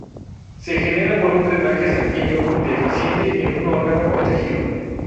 Se genera por un drenaje sanguíneo deficiente en un órgano o tejido.